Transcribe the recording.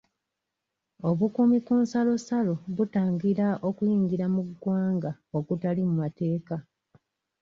Obukuumi ku nsalosalo butangira okuyingira mu ggwanga okutali mu mateeka.